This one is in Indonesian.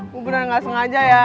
gue beneran gak sengaja ya